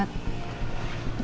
aku tuh lagi bingung banget